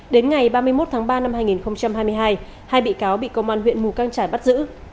đến ngày ba mươi một tháng ba năm hai nghìn hai mươi hai hai bị cáo bị công an huyện mù căng trải bắt giữ